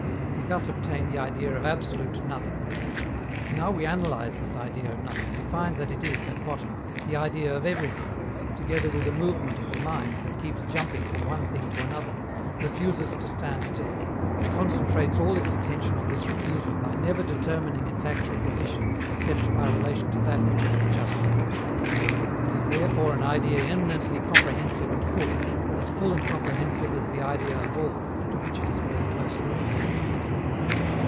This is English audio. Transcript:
We thus obtain the idea of absolute Nothing. If now we analyze this idea of Nothing, we find that it is, at bottom, the idea of Everything, together with a movement of the mind that keeps jumping from one thing to another, refuses to stand still, and concentrates all its attention on this refusal by never determining its actual position except by relation to that which it has just left. It is therefore an idea eminently comprehensive and full, as full and comprehensive as the idea of All, to which it is very closely akin.